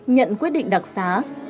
nhận quyết định đặc xá